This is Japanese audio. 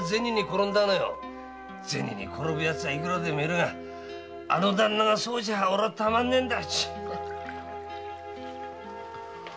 銭に転ぶ奴はいくらでもいるがあの旦那がそうじゃ俺はたまんねえんだ。